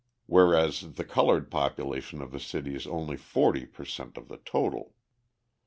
whereas the coloured population of the city is only 40 per cent. of the total.